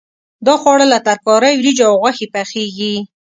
دا خواړه له ترکارۍ، وریجو او غوښې پخېږي.